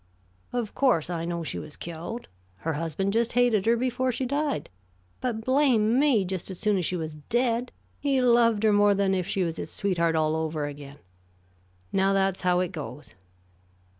Of course, I know she was killed. Her husband just hated her before she died, but blame me, just as soon as she was dead, he loved her more than if she was his sweetheart all over again. Now, that's how it goes.